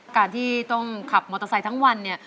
การที่ต้องขับมอเตอร์ไซค์ทั้งวันเนี่ย